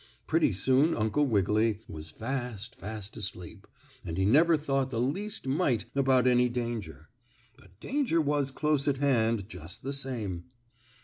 Pretty soon Uncle Wiggily was fast, fast asleep, and he never thought the least mite about any danger. But danger was close at hand just the same.